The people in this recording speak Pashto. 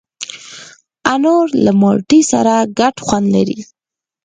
انار له مالټې سره ګډ خوند لري.